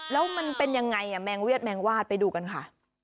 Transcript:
แล้วมันเป็นยังไงแมงเวียดแมงวาดไปดูกันค่ะ